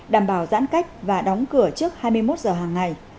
đảm bảo giãn cách và đóng cửa trước hai mươi một giờ hàng ngày